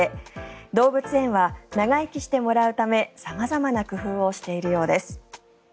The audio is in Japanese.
動物園は長生きしてもらうため様々な工夫をしているようです。